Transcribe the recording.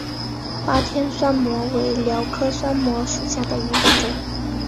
巴天酸模为蓼科酸模属下的一个种。